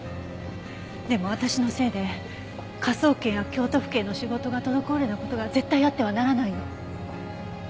でも私のせいで科捜研や京都府警の仕事が滞るような事が絶対あってはならないの。